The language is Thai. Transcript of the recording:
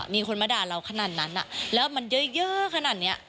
มีคนมาด่าเราขนาดนั้นแล้วมันเยอะขนาดนี้